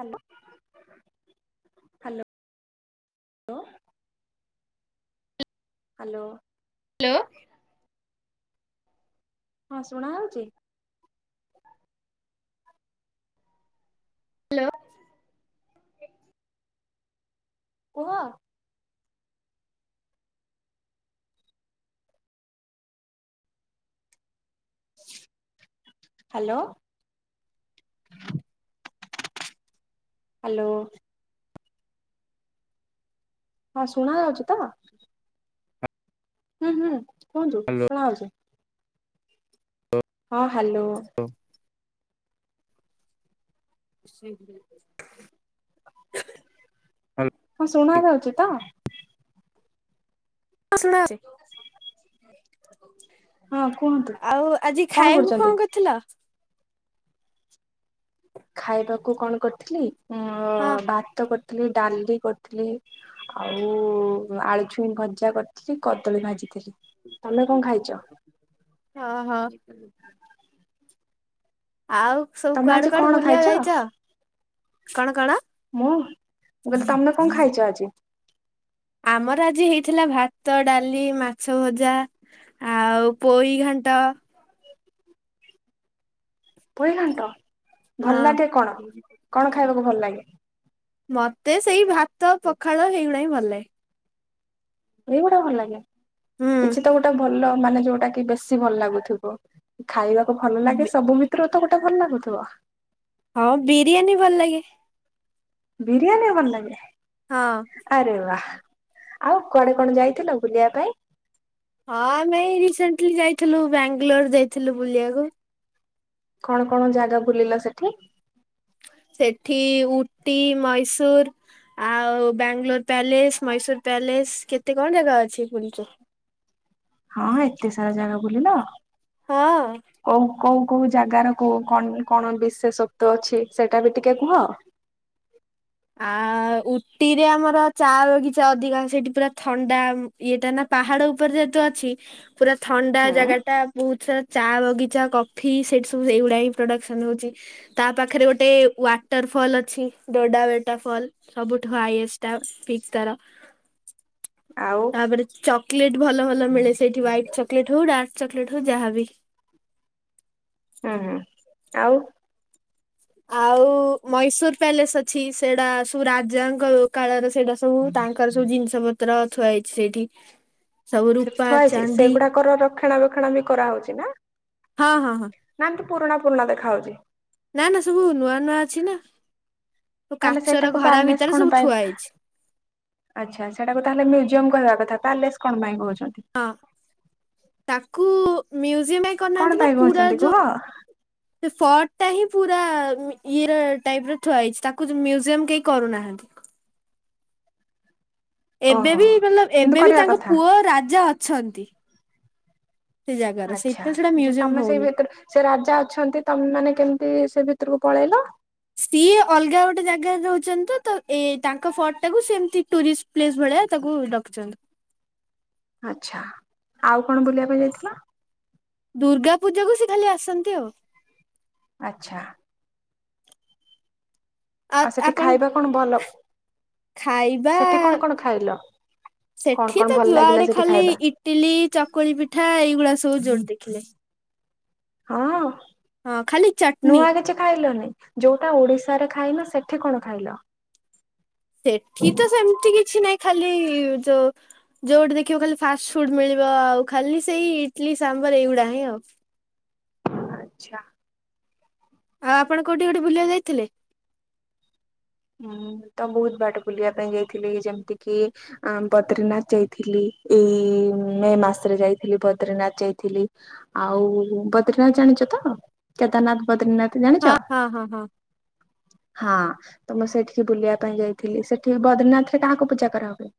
Hello hello ଲୋ। Hello. ଦ୍ଵାଲୋ। ହଁ ଶୁଣାହଉଚି? ହ୍ୟାଲୋ। କୁହ। ହ୍ୟାଲୋ। ହ୍ୟାଲୋ। ହଁ ଶୁଣା ଯାଉଚିତ। ହୁଁ ହୁଁ କୁହନ୍ତୁ ଶୁଣା ଆଉଛି। ହଁ ହାଲୋ। [inaudible] ହ୍ୟାଲୋ। ହଁ ଶୁଣା ଯାଉଚିତ? ହଁଶୁଣା। ହଁ କୁହନ୍ତୁ ଯାଇଛି। ଆଉ ଆଜି କଣ ଖାଇବାକୁ କଆଁ କରୁଛନ୍ତି କରିଥିଲ? ଖାଇବାକୁ କଣ କରିଥିଲି ହଁ ଭାତ କରିଥିଲି ଡାଲି କରିଥିଲି। ଆଉ ଆଳୁଛୁଇଁ ଭଜା କରିଥିଲି କଦଳୀ ଭାଜିଥିଲି। ତମେ କଣ ଖାଇଛ ହଁ-ହଁ। ଆଉ ସନ୍ଥ ତମେ କୁଥାଡ଼େ ଆଜି କୁ ଆଡେ କଣ ଖାଇଛ ବୁଲିବାକୁ ଯାଇଛ କଣ, କଣ ମୁଁ ମୁଁ କହିଲି ତମେ କଅଁଖାଇଚ ଆଜି। ଆମର ଆଜି ହେଇଥିଲା ଭାତ, ଡାଲି, ମାଛଭଜା ଆଉ ପୋଇ ଘାଣ୍ଟ ପୋଇ ଘାଣ୍ଟ ହଁ ଭଲଲାଗେ କଣ କଣ ଖାଇବାକୁ ଭଲ ଲାଗେ? ମତେ ସେଇ ଭାତ ପଖାଳ ହେଉଡ଼ା ହିଁ ଭଲ ଲାଗେ। ଏଉଡା ଭଲ ଲାଗେ ହୁଁ କିଛି ତ ଗୋଟେ ଭଲ ମାନେ ଯୋଉଟା କି ବେଶୀ ଭଲ ଲାଗୁଥିବ। ଖାଇବାକୁ ଭଲ ଲାଗେ ସବୁ ଭିତରୁ ତ ଗୋଟେ ଭଲ ଲାଗୁଥିବ। ହଁ ବିରିୟାନୀ ଭଲ ଲାଗେ। ବିରିୟାନୀ ଭଲ ଲାଗେ। ହଁ ଆରେ ବାହା ଆଉ କୁଆଡେ କଣ ଯାଇଥିଲ ବୁଲିବା ପାଇଁ? ହଁ ଆମେ ରିସେଣ୍ଟଲି ଯାଇଥିଲୁ ବାଙ୍ଗାଲୋର ଯାଇଥିଲୁ ବୁଲିବାକୁ। କଣ କଣ ଜାଗା ବୁଲିଲ ସେଠି? ସେଠି ଉଟି ମୈସର ଆଉ ବାଙ୍ଗଲୋର ପ୍ୟାଲେସ ମହଶର ପ୍ୟାଲେସ କେତେ କଣ ଜାଗା ଅଛି ପୁଲିଚୁ। ହଁ ଏତେ ସାରା ଜାଗା ବୁଲିଲ। ହଁ। କଉ କୋଉ କୋଉ ଜାଗାର କ କଣ ବିଶେଷଶତ୍ଵ ଅଛି ସେଇଟା ବି ଟିକେ କୁହ। ଆ ଉଟିରେ ଆମର ଚା ବଗିଚା ଅଧିକା ସେଇଠି ପୁରା ଥଣ୍ଡା ଇଏ ଟା ନା। ପାହାଡ ଉପରେ ଯେହେତୁ ଅଛି ପୁରା ଥଣ୍ଡା ହୁଁ ଜାଗା ଟା। ବହୁତ ସାରା ଚା ବଗିଚା କଫି ସେଠି ସବୁ ଏଇଗୁଡା ହିଁ ପ୍ରଡକ୍ସନ ହଉଛି। ତା ପାଖରେ ଗୋଟେ ୱାଟର ଫଲ୍ ଅଛି ଡୋଡା ବଟ। ଟ ଫଲ ସବୁଠୁ ହାଇଷ୍ଟ ପିକସ୍ ତାର। ଆଉ ତାପରେ ଚକୋଲେଟ ଭଲ ଭଲ ମିଳେ ସେଇଠି ହ୍ାଇଟ ଚ ଚକ୍‌ଲେଟ୍‌ ହୁଡ଼ା ଚକଲେଟ୍ ହଉ ଯାହା ବି ହୁଁ ହୁଁ ଆଉ ଆଉ ମଇଶୂର ପ୍ୟାଲେସ ଅଛି ସେଇଟା ସବ ରାଜାଙ୍କ କାଳରେ ସେଇଟା ସବୁ ତାଙ୍କର ସବୁ ଜିନିଷ ପତ୍ର ଛୁଆ ହେଇଛି ସେଇଠି। ସବୁ ସେଠି ରୂପା ଥୁଆ ହେଇଛି ଚାନ୍ଦି ସେଗୁଡାକର ରକ୍ଷଣା ବେକ୍ଷଣା ବି କରାହଉଛି ନା? ହଁ ହଁ ହଁ ନା ତ ପୁରୁଣା ପୁରୁଣା ଦେଖାାଯାଉଛି। ନା ନା ସବୁ ନୂଆ ନୂଆ ଅଛି ନା ତାହେଲେ କାଚର ସେଇଟାକୁ ଘରା ପ୍ୟାଲେସ ଭିତରେ କଣ ସବୁ ପାଇଁ ଥୁଆ ହେଇଛି। ଆଚ୍ଛା ସେଟାକୁ ତାହେଲେ ମ୍ୟୁଜିୟମ୍ କହିବା କଥା ପାଲେସ କଣ ଭାଇ କହୁଛନ୍ତି? ହଁ ତାକୁ ମ୍ୟୁଜିୟମ କଣ କରିନାହାନ୍ତି ନା ପାଇଁ ପୁରା କହୁଛନ୍ତି କୁହ ଯୋଉ ସେ ଫର୍ଟ ଟା ହିଁ ପୁରା ଇଏ ର ଟାଇପରେ ଥୁଆ ହେଇଛି ତାକୁ ମ୍ୟୁଜିୟମ କେହି କରୁନାହାନ୍ତି। ଏବେ ଓହୋ ବି ମତଲଵ୍ କିନ୍ତୁ ଏବେ ବି କରିବା ତାଙ୍କ କଥା। ପୁଅ ରାଜା ଅଛନ୍ତି। ସେ ଜାଗାର ଆଛା ସେଇଥିପାଇଁ ସେଇଟା ଯେ ମ୍ୟୁଜିୟମ ତମେ ହଉନି। ସେଇ ଭିତରେ ସେ ରାଜା ଅଛନ୍ତି ତମେ ମାନେ କେମିତି ସେ ଭିତରକୁ ପଳେଇଲ? ସିଏ ଅଲଗା ଗୋଟେ ଜାଗାରେ ରହୁଛନ୍ତି ତ ଏ ତାଙ୍କ ଫର୍ଟ ଟାକୁ ସେ ସେମତି ଟୁରିଷ୍ଟ୍ ପ୍ଲେସ୍ ଭଳିଆ ତାକୁ ରଖି ଛନ୍ତି। ଆଛା ଆଉ କଣ ବୁଲିବା ପାଇଁ ଯାଇଥିଲ? ଦୁର୍ଗା ପୂଜା କୁ ସେ ଖାଲି ଆସନ୍ତି ଆଉ ଆଛା। ଆଉ ସେଠି ଖାଇବା କଣ ଭଲ? ଖାଇବା ସେଠି କଣ କଣ ଖାଇଲ? କଣ ସେଠି କଣ ତ ଭଲ ଲାଗିଲା ଯୁଆଡେ ସେଠି ଖାଲି ଖାଇବା? ଇଟି ଟିଲି ଚକୁଳି ପିଠା ଏଇଗୁଡା ସବୁ ଯୋଉଠି ଦେଖିଲେ ହଁ ହଁ ଖାଲି ଚଟନୀ ନୂଆ କିଛି ଖାଇଲନି ଯୋଉଟା ଓଡିଶାରେ ଖାଇନ ସେଠି କଣ ଖାଇଲ? ସେଠି ତ ସେମିତି କିଛି ନାହିଁ ଖାଲି ଯୋଉ ଯୋଉଠି ଦେଖିବ ଖାଲି ଫାଷ୍ଟ ଫୁଡ ମିଳିବ ଆଉ ଖାଲି ସେଇ ଇଡଲିି ସାମ୍ବର ଏଇଗୁଡା ହିଁ ଆଉ ଆଚ୍ଛା। ଆଉ ଆପଣ କୋଉଠି କୋଠି ବୁଲିବାକୁ ଯାଇଥିଲେ? ହୁଁ ତ ବହୁତ ବାଟ ବୁଲିବା ପାଇଁ ଯାଇଥିଲି ଯେମିତିକି ଆଁ ବଦ୍ରିନାଥ ଯାଇଥିଲି ଏଇ ମେ ମାସରେ ଯାଇଥିଲି ବଦ୍ରିନାଥ ଯାଇଥିଲି ଆଉ ବଦ୍ରନାଥ ଜାଣିଛ ତ କେଦାରନାଥ ବଦ୍ର୍ରୀନାଥ ତୁମେ ହଁ ଜାଣିଛ ହଁ ହଁ ହଁ ହଁ ତ ମୁଁ ସେଠିକି ବୁଲିବା ପାଇଁ ଯାଇଥିଲି ସେଠି ବଦ୍ରୀନାଥରେ କାହାକୁ ପୂଜା କରାହୁୁଏ?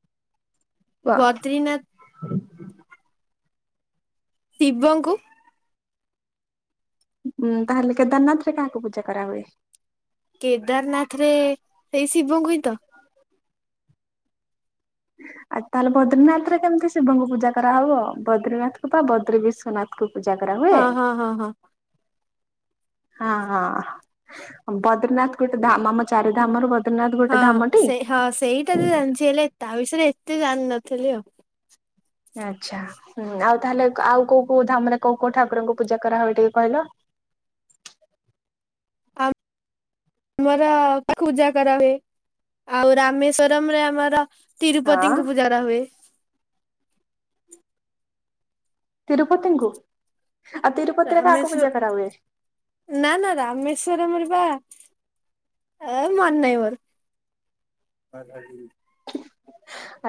ବା ବଦ୍ରିନାଥ [unintelligible] ଶିବଙ୍କୁ? ଉଁ ତାହେଲେ କେଦାରନାଥ ରେ କାହାକୁ ପୂଜା କରାହୁୁଏ? କେଦାରନାଥ ରେ ସେଇ ଶିବଙ୍କୁ ହିଁ ତ ଆଉ ତାହେଲେ ବଦ୍ର୍ରୀିନାଥ ରେ କେମିତି ଶିବଙ୍କୁ ପୂଜା କରାହବ ବଦ୍ର୍ରୀନାଥ କ ବା ବଦ୍ରି ବିଶ୍ୱନାଥ ଙ୍କୁ ପୂଜା କରା ହଁ ହୁଏ ହଁ ହଁ ହଁ। ହଁ ହଁ ବଦ୍ରିନାଥ ଗୋଟେ ଧାମ ଆମ ଚାରି ଧାମରୁ ଜଗନାଥ ଗୋଟେ ଧାମଟି? ଏ ଜାଣିଛି ହେଲେ ତା ବିଷୟରେ ଏତେ ଜାଣିିନଥିଲି ଆଉ ଆଛା ହଁ ଆଉ ତାହେଲେ ଆଉ କୋଉ କୋଉ ଧାମରେ କୋଉ କୋଉ ଠାକୁରଙ୍କୁ ପୂଜା କରା ହୁଏ ଟିକେ କହିଲ? ଆ ଆମର ପୂଜା କରାହୁଏ ଆଉ ରାମେଶ୍ଵରମ ରେ ଆମର ହଁ। ତିରୁପତିଙ୍କୁ ପୂଜାକରା ହୁଏ ତିରୁପତିଙ୍କୁ ଆଉ ତିରୁପତିରେ କାହାକୁ ରାମେଶ୍ଵର ପୂଜା କରାହୁୁଏ? ନା ନା ରାମେଶ୍ଵରମ ରେ ବା ଏ ମନେ ନାହିଁ ମୋର ଆଁଛା [unintelligible]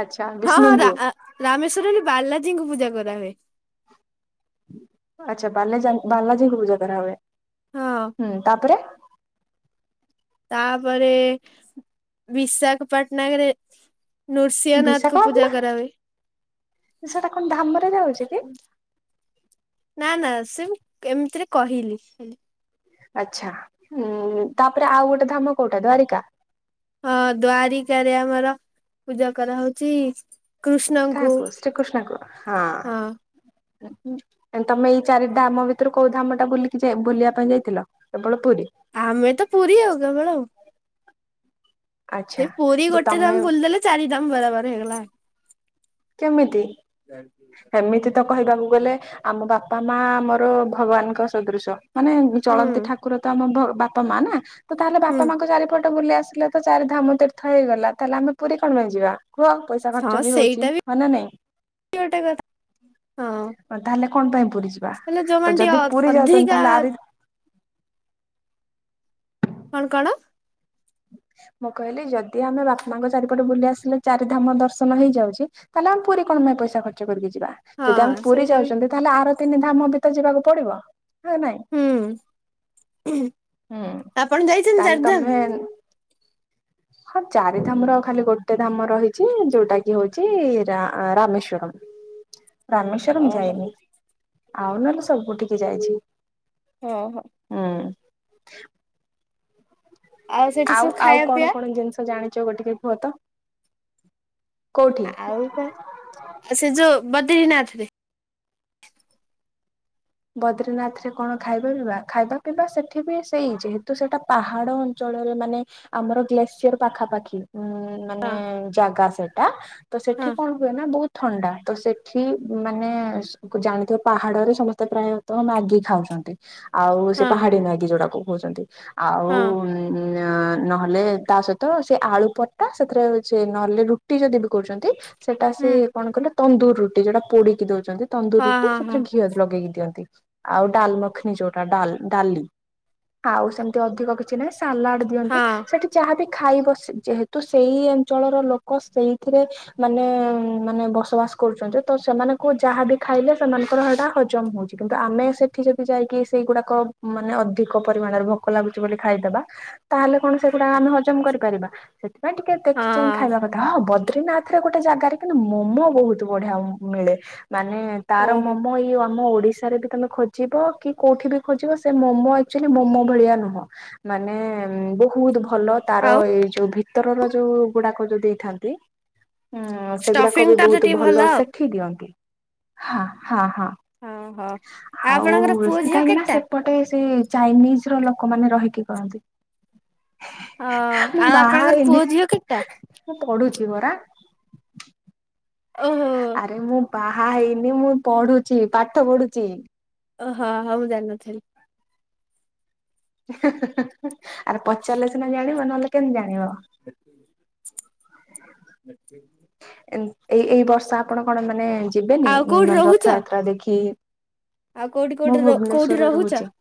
ଆଚ୍ଛା ହଁ ବିଷ୍ଣୁଙ୍କୁ ହଁ ରାମେଶ୍ଵରମ ବାଲାଜୀଙ୍କୁ ପୂଜା କରାହୁୁଏ। ଆଛା ବାଲାଜେ ବାଲାଜୀଙ୍କୁ ପୂଜା କରା ହୁଏ ହଁ ହୁଁ ତାପରେ ତାପରେ ବିଶାଖାପାଟନା ରେ ନୃସିିଂହ ନାଥ କୁ ପୂଜା ବିଶାଖାପାଟଣା କରା ହୁଏ ସେଟା କଣ ଧାମରେ ଯାଉଛି କି? ନା ନା ସେ କେମିତିରେ କହିଲି। ଆଚ୍ଛା ହଁ ତାପରେ ଆଉ ଗୋଟେ ଧାମ କୋଉଟା ଦ୍ଵାରିକା? ହଁ ଦ୍ଵାରିକା ରେ ଆମର ପୂଜା କରାହଉଛି କୃଷ୍ଣଙ୍କୁ କାହାକୁୁ ଶ୍ରୀକୃଷ୍ଣକୁୁ ହଁ। ତମେ ଏଇ ଚାରି ଧାମ ଭିତରୁ କୋଉ ଧାମ ଟା ବୁଲିକି ବୁଲିବା ପାଇଁ ଯାଇଥିଲ କେବଳ ପୁରୀ। ଆମେ ତ ପୁରୀ ଆଉ କେବଳ। ଆଚ୍ଛା ସେ ପୁରୀ ଯେ ଗୋଟେ ତମେ ଦାମ ବୁଲିଦ ଦେଲେ ଚାରି ଦାମ ବରାବର ହେଇଗଲା। କେମିତି? ଏମିତି ତ କହିବାକୁ ଗଲେ ଆମ ବାପା ମା ଆମର ଭଗବାନଙ୍କ ସଦୃଶ। ମାନେ ହୁଁ ଚଳନ୍ତି ଠାକୁର ତ ଆମ ବାପା ମା ନା ତ ତାହେଲେ ହୁଁ ବାପା ମାଙ୍କ ଚାରିପଟେ ଟ ବୁଲି ଆସିଲେ ତ ଚାରି ଧାମ ତୀର୍ଥ ହେଇଗଲା ତାହେଲେ ଆମେ ପୁରୀ କଣ ପାଇଁଯିବା କୁହ ପଇସା ଖର୍ଚ୍ଚ ବି ହଉଛି। ହଁ ନା ନାଇଁ? ଇଏବି ଗୋଟେ କଥା। ହଁ ତାହେଲେ କଣ ପାଇଁ ପୁରୀ ଯିବା ହେଲେ ତ ଯୋଉମାନେ ଯଦି ପୁରୀ ଟିକେ ଯାଉଛନ୍ତି ଅଧିକା। ତାହେଲେ ଆରି କଣ କଣ? ମୁଁ କହିଲି ଯଦି ଆମେ ବାପାଙ୍କ ଚାରିପଟେ ବୁଲି ଆସିଲେ ଚାରି ଧାମ ଦର୍ଶନ ହେଇଯାଉଛି। ତାହେଲେ ଆମ ପୁରୀ କଣ ପାଇଁ ପଇସା ଖର୍ଚ କରିକି ଯିବା। ହଁ ଯଦି ଆମେ ପୁରୀ ସେଇଟା ବି ଯାଉଛନ୍ତି ତାହେଲେ ଆର ତିନି ଧାମ ଭିତରେ ଯିବାକୁ ପଡିବ ନାଇଁ? ହୁଁ ହୁଁ ଆପଣ ଯାଇଛନ୍ତି ତାହେଲେ ଚାରିଧାମ? ତମେ ହଁ ଚାରି ଧାମ ର ଖାଲି ଗୋଟେ ଧାମ ରହିଛି ଯୋଉଟା କି ହଉଛି ରାମେଶ୍ଵରମ। ରାମେଶ୍ୱର ଓହୋ ଯାଇନି ଆଉ ନହେଲେ ସବୁ ଟିକେ ଯାଇଛି। ଓଁ ହୋ। ହୁଁ। ସେଠି ଆଉ ସବୁ ଆଉ ଖାଇବା କଣ ପିଇବା କଣ ଜିନିଷ ଜାଣିଛ ଗୋଟିକେ କୁହ ତ କୋଉଠି? ହଉ ଆଉ ସେ ଯୋଉ ବଦରିନାଥରେ। ବଦ୍ରିନାଥ ରେ କଣ ଖାଇବା ପିଇବା ଖାଇବା ପିଇବା ସେଠି ବି ସେଇ ଯେହେତୁ ସେଟା ପାହାଡ ଳରେ ମାନେ ଆମର ଗ୍ଲେସିୟର ପାଖାପାଖି ଉ ମାନେ ହଁ ଜାଗା ସେଇଟା। ତ ହଁ ସେଠି କଣ ହୁଏ ନା ବହୁତ ଥଣ୍ଡା ତ ସେଠି ମାନେ ଜାଣିଥିବା ପାହାଡରେ ସମସ୍ତେ ପ୍ରାୟତଃ ମ୍ୟାଗି ଖାଉଛନ୍ତି ଆଉ ସେ ହଁ ପାହାଡି ମ୍ୟାଗି ଯୋଡାକୁ କହୁଛନ୍ତି। ଆଉ ହଁ ନହେଲେ ତା ସହିତ ସେ ଆଳୁ ପଟା ସେଥିରେ ସେ ନହେଲେ ରୁଟି ଯଦି ବି କରୁଛନ୍ତି ସେଟା ସେ ହୁଁ କଣ କଲେ ତନ୍ଦୁର ରୁଟି ଯ ସେଉଟା ପୋଡିକି ଦଉଛନ୍ତି ତନ୍ଦୁର ହଁ ରୁଟି ହଁ ହଁ ସେଥିରେ ଘିଅ ଲଗେଇକି। ଆଉ ଡାଲମଖନୀ ଯୋଉଟାା ଡାଲି ଆ ଆଉ ସେମତି ଅଧିକ କିଛି କିଛିନାହିଁ ସାଲାଡ ଦିଅନ୍ତି ହଁ ସେଠି ଯାହାବି ଖାଇବ ସେ ଯେହେତୁ ସେଇ ଅଞ୍ଚଳର ଲୋକ ସେଇଥିରେ ମାନେ ମାନେ ବସବାସ କରୁଛନ୍ତି ତ ସେମାନଙ୍କୁ ଯାହାବ ଖାଇଲେ ସେମାନଙ୍କର ହେଟା ହଜମ ହଉଛି। କିନ୍ତୁ ଆମେ ସେଠି ଯଦି ଯାଇକି ସେଇଗୁଡାକ ମାନେ ଅଧିକ ପରିମାଣରେ ଭୋକ ଲାଗୁଛି ବୋଲି ଖାଇଦବା। ତାହେଲେ କଣ ସେଗୁଡା ଆମେ ହଜମ କରିପାରିବା ସେଥିପାଇଁ ଟିକେ ଦେଖି ଚାଁ ହଁ ଖାଇବା କଥା ହଁ ବଦ୍ରିନାଥ। ପାଖରେ ଗୋଟେ ଜାଗାରେ କି ମୋମୋ ବହୁତ ବଢିଆ ମିଳେ ମାନେ ତାର ଓହୋ ମୋମୋ ଏଇ ଆମ ଓଡିଶା [inaudible] ରେ ବି ତମେ ଖୋଜିବ କି କୋଉଠି ବି ଖୋଜିବ ସେ ମୋମୋ ଆକଚୁଆଲି ମୋମୋ ଭଳିଆ ନୁହଁ। ମାନେ ବହୁତ ଭଲ ତାର ଆଉ ଏଇ ଯୋଉ ଭିତରର ଯୋଉ ଗୁଡାକ ଯୋଉ ଦେଇଥାନ୍ତି ଉଁ ସେଗୁଡାକ ଷ୍ଟଫିଙ୍ଗ ବି ଟା ତ ବହୁତ ଟିକେ ଭଲ ଆଉ ସେଠି ଦିଅନ୍ତି ହଁ ହଁ ହଁ ଓହୋ। ଆଉ ଆଉ ଆପଣଙ୍କର ପୁଅ ଝିଅ କାହିଁକି ନା କେତେଟା? ସେପଟେ ସେଇ ଚାଇନିଜ ର ଲୋକମାନେ ରହିକି କରନ୍ତି। ଓ ମୁଁ ଆଉ ବାହା ଆପଣଙ୍କର ହେଇନି ପୁଅ ଝିଅ କେତେଟା? ମୁଁ ପଢୁଛି ପରା। ଓହୋ। ଆରେ ମୁଁ ବାହା ହେଇନି ମୁଁ ପଢୁଛି ପାଠ ପଢୁଛି। ଓହୋ ହଉ ଜାଣିନଥିଲି। [unintelligible] ଆରେ ପଚାରିଲେ ସିନା ଜାଣିବ ନହେଲେ କେମିତି ଜାଣିବ? [unintelligible] [inaudible] ଏଇ ଏଇ ବର୍ଷ ଆପଣ କଣ ମାନେ ଯିବେନି ଆଉ କୋଉଠି ମାନେ ରହୁଛ? ରଥଯାତ୍ରା ଦେଖି ଆଉ କୋଉଠି କୋଉଠି ମୁଁ କୋଉଠି ଭୁବନେଶ୍ୱରରେ ରହୁଛ? ରହୁଚି।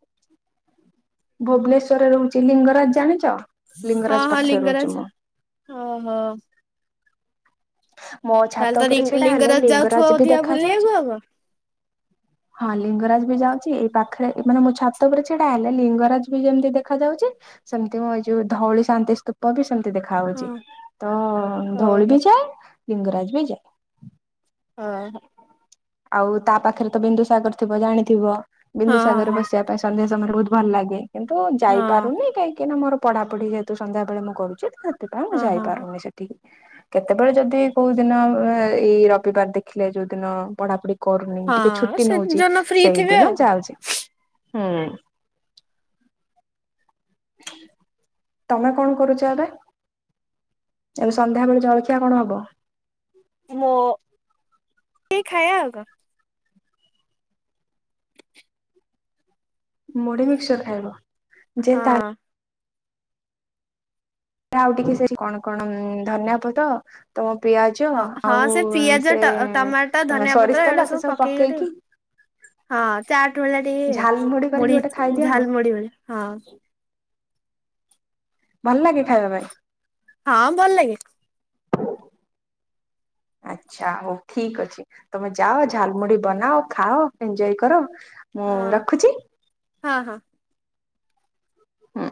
ଭୁବନେଶ୍ୱରରେ ରହୁଚି ଲିଙ୍ଗରାଜ ଜାଣିଚ? ହଁ ହଁ ଲିଙ୍ଗରାଜ ଅହ। ମୋ ତାହେଲେ ଛାତ ତ ଓପରେ ଛିଡ଼ା ହେଲେ ଯାଉଥିବ ଲିଙ୍ଗରାଜ ବି ଅଧିକା ଦେଖା ବୁଲିବାକୁ ଯାଉଚି। ଆଉ କଣ? ହଁ ଲିଙ୍ଗରାଜ ବି ଯାଉଚି ଏଇ ପାଖରେ ମାନେ ମୁଁ ଛାତ ଓପରେ ଛିଡ଼ା ହେଲେ ଲିଙ୍ଗରାଜ ବି ଯେମତି ଦେଖା ଯାଉଚି ସେମତି ମ ଏ ଯୋଉ ଧଉଳି ଶାନ୍ତି ସ୍ତୁ ପ ବିି ସେମତି ଦେଖା ହଁ ହଉଚି ତ ଧଉଳି ଓହୋ ବି ଯାଏ ଲିଙ୍ଗରାଜ ବି ଯାଏ। ହଁ ହଁ। ଆଉ ତା ପାଖରେ ତ ବିନ୍ଦୁସାଗର ଥିବ ଜାଣିଥିବ ହଁ ବିନ୍ଦୁସାଗରରେ ହଁ ହଁ। ବସିବା ପ୍ରାୟ ସନ୍ଧ୍ୟା ସମୟରେ ବହୁତ ଭଲ ଲାଗେ କିନ୍ତୁ ଯାଇପାରୁନି କହିଁକି ନା ମୋର ପଢ଼ପଢ଼ି ଯେହେତୁ ସନ୍ଧ୍ୟା ବେଳେ ମୁଁ କରୁଚି ତ ହେଥିପାଇଁ ହଁ ହଁ ହଁ ଯାଇପାରୁନି ସେ ଠିକି କେତେବେଳେ ଯଦି କୋଉ ଦିନ ଏ ଏଇ ରବିବାର ଦେଖିଲେ ଯୋଉ ଦିନ ପଢ଼ାପଢ଼ି କରୁନି ଟିକେ ହଁ ଛୁଟି ସେଦିନ ନଉଚି ଯୋଉଦିନ ଫ୍ରି ସେଇ ଥିବେ ଦିନ ଆଉ କଣ ଯାଉଚି। ହୁଁ। ତମେ କଣ କରୁଚ ଏବେ? ଏବେ ସନ୍ଧ୍ୟାବେେଳେ ଜଳଖିଆ କଣ ହବ? ମୋ ଏଇ ଖାଇବା ଆଉ କଁ। ମୁଢ଼ି ମିକ୍ସଚର୍ ଖାଇବ ଯେ ହଁ। ତା ଏ ଆଉ ଟିକେ ସେଖି କଣ କଣ ଧନିଆ ପତ ତ ପିଆଜ ହଁ ହଁ ଆଉ ସେ ପିଆଜ ସେ ଟ ଟମାଟୋ ଧନିଆ ପତ୍ର ସୋରିଷ ଏଗୁଡା ତେଲ ସେ ସବୁ ଗୋଟେ ପକେଇକି ହଁ ଚାଟ୍ ଭଳିଆ ଟିକେ ଝାଲମୁଢି କରିକି ମୁଢ଼ି ଗୋଟେ ଖାଇଦିଅ ଆଉ ଝାଲ୍ ମୁଢ଼ି ବୋଲେ ହଁ। ଭଲ ଲାଗେ ଖାଇବା ପାଇଁ? ହଁ ଭଲ ଲାଗେ। [unintelligible] ଆଚ୍ଛା ହଉ ଠିକ୍ ଅଛି ତମେ ଯାଅ ଝାଲ୍ ମୁଢ଼ି ବନାଅ ଖାଅ ଏଞ୍ଜୟ କର। ମୁଁ ହଁ ରଖୁଚି। ହଁ ହଁ। ହଁ।